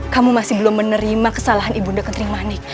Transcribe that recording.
kamu masih belum menerima kesalahan ibu nda kentering manik